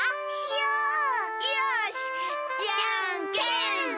よしじゃんけん。